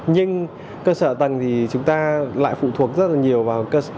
nhưng cơ sở tầng thì chúng ta lại phụ thuộc rất nhiều vào hệ thống